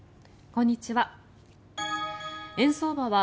こんにちは。